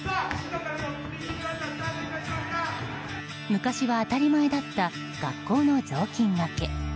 昔は、当たり前だった学校の雑巾がけ。